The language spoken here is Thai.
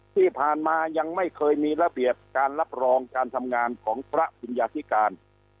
ที่ผ่านมายังไม่เคยมีระเบียบการรับรองการทำงานของพระปิญญาธิการ